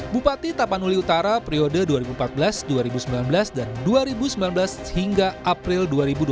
bupati tapanuli utara periode dua ribu empat belas dua ribu sembilan belas dan dua ribu sembilan belas hingga april dua ribu dua puluh